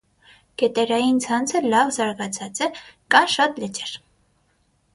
Գետերային ցանցը լավ զարգացած է, կան շատ լճեր։